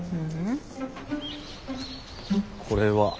ううん。これは？